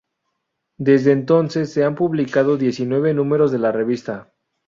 Desde entonces se han publicado diecinueve números de la revista.